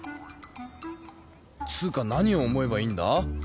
つうか何を思えばいいんだ？